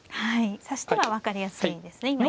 はい指し手は分かりやすいんですね。